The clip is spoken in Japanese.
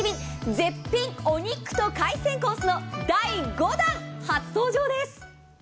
絶品お肉と海鮮コースの第５弾、初登場です。